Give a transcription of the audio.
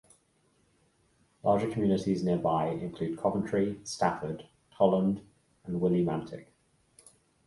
Larger communities nearby include Coventry, Stafford, Tolland, and Willimantic.